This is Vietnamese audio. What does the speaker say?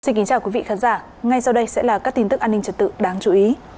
xin kính chào quý vị khán giả ngay sau đây sẽ là các tin tức an ninh trật tự đáng chú ý